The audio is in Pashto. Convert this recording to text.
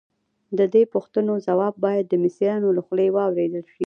د دې پوښتنو ځواب باید د مصریانو له خولې واورېدل شي.